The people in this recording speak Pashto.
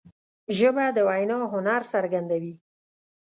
ژبه د وینا هنر څرګندوي